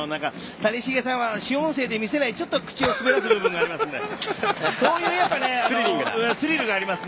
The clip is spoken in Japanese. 谷繁さんは主音声で見せないちょっと口を滑らせる部分がありますのでスリルがあります。